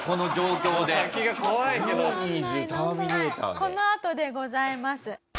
このあとでございます。